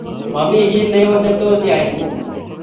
momi kiy ne oo ne tos iyay nguni